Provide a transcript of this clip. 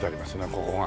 ここが。